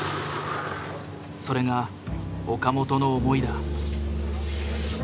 それが岡本の思いだ。